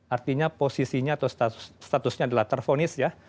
artinya posisinya atau statusnya adalah terfonis ya